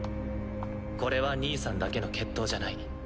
これは兄さんだけの決闘じゃない。